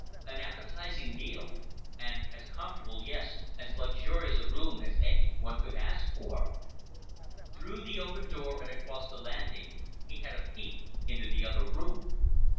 An appetizing meal and as comfortable, yes, as luxurious a room as any one could ask for. Through the open door and across the landing, he had a peep into the other room.